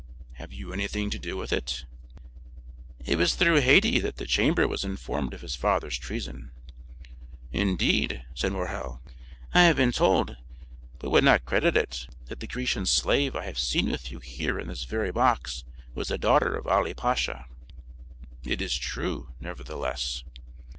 "Have you anything to do with it?" "It was through Haydée that the Chamber was informed of his father's treason." "Indeed?" said Morrel. "I had been told, but would not credit it, that the Grecian slave I have seen with you here in this very box was the daughter of Ali Pasha." "It is true, nevertheless."